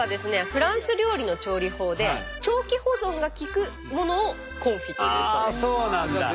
フランス料理の調理法で長期保存が利くものをコンフィというそうです。